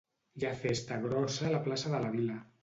Hi ha festa grossa a la plaça de la vila